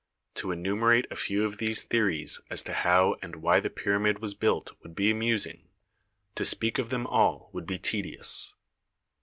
To enumerate a few of these theories as to how and why the pyramid was built would be amusing; to speak of them all would be tedious.